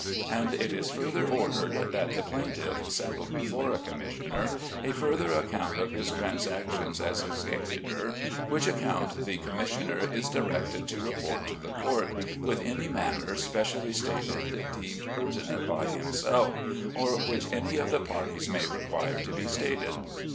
And it is further ordered, that the Plaintiff settle before a Commissioner a further account of his transactions as Executor, which account the Commissioner is directed to report to the court, with any matter specially stated deemed pertinent by himself, or which any of the parties may require to be so stated.